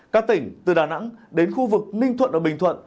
các tỉnh từ đà nẵng đến khu vực ninh thuận và bình thuận